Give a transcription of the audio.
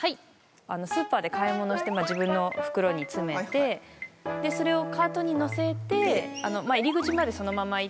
スーパーで買い物をして自分の袋に詰めてそれをカートに載せて入り口までそのまま行って。